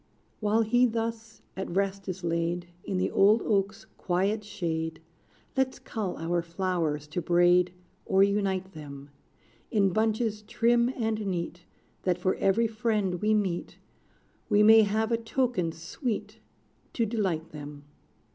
While he thus at rest is laid In the old oak's quiet shade, Let's cull our flowers to braid, Or unite them In bunches trim and neat, That for every friend we meet, We may have a token sweet To delight them.